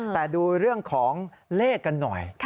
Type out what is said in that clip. แต่ดูเรื่องของเลขกันหน่อย